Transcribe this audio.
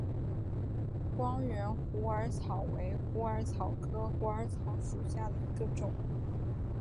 光缘虎耳草为虎耳草科虎耳草属下的一个种。